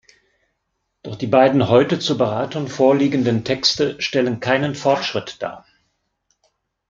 Doch die beiden heute zur Beratung vorliegenden Texte stellen keinen Fortschritt dar.